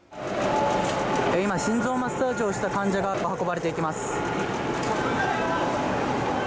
今、心臓マッサージをした患者が運ばれていきます。